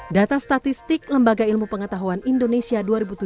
data statistik lembaga ilmu pengetahuan indonesia dua ribu tujuh belas